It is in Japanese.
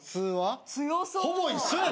ほぼ一緒やで？